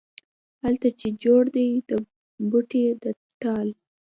هلته چې جوړ دی د بوډۍ د ټال،